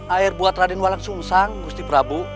air buat raden walang sungzang gusti prabu